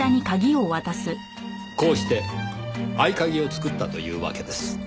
こうして合鍵を作ったというわけです。